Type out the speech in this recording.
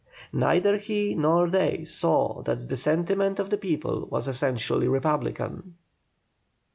Neither he nor they saw that the sentiment of the people was essentially republican.